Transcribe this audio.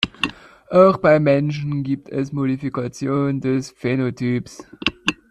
Auch beim Menschen gibt es Modifikationen des Phänotyps.